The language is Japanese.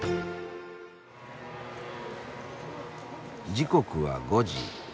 時刻は５時。